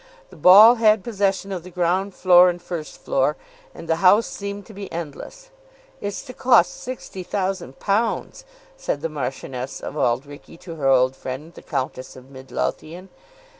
The ball had possession of the ground floor and first floor, and the house seemed to be endless. "It's to cost sixty thousand pounds," said the Marchioness of Auld Reekie to her old friend the Countess of Mid Lothian.